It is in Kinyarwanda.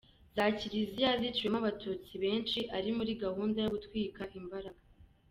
Za Kiliziya ziciwemo Abatutsi benshi ari muri gahunda yo “gutwika imbagara”.